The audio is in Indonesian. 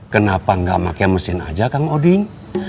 kenapa gak pake mesin aja kang odin